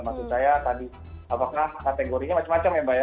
maksud saya tadi apakah kategorinya macam macam ya mbak ya